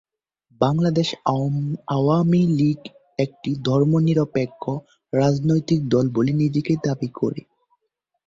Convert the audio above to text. বাংলাদেশ আওয়ামী লীগ একটি ধর্মনিরপেক্ষ রাজনৈতিক দল বলে নিজেকে দাবি করে।